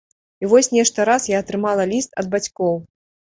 І вось нешта раз я атрымала ліст ад бацькоў.